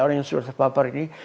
orang yang sudah terpapar ini